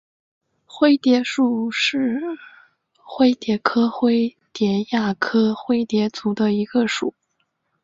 灰蝶属是灰蝶科灰蝶亚科灰蝶族中的一个属。